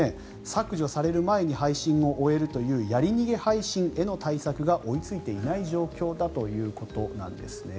削除される前に配信を終えるというやり逃げ配信への対策が追いついていない状況だということなんですね。